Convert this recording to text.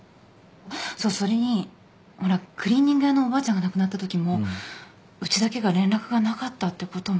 そうそれにほらクリーニング屋のおばあちゃんが亡くなったときもうちだけが連絡がなかったってこともあったわ。